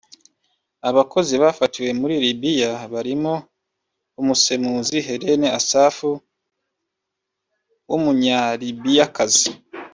Abakozi bafatiwe muri Libiya barimo umusemuzi Hélène Assaf w’Umunyalibiyakazi